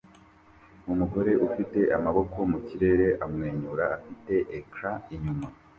Umugore ufite amaboko mu kirere amwenyura afite ecran inyuma